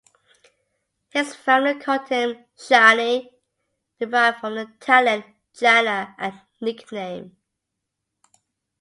His family called him "Schani," derived from the Italian "Gianni," a nickname.